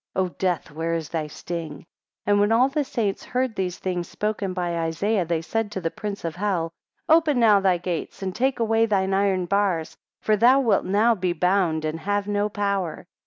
O death, where is thy sting? 12 When all the saints heard these things spoken by Isaiah, they said to the prince of hell, Open now thy gates, and take away thine iron bars; for thou wilt now be bound, and have no power.